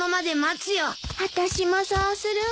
あたしもそうするわ。